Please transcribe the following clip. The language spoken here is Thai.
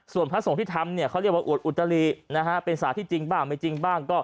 ส่วนพระสงฆ์ที่ทำเขาเรียกว่าอวดอุตรีเป็นสาธิตจริงบ้างไม่จริงบ้าง